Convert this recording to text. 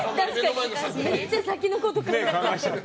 めっちゃ先のこと考えてる。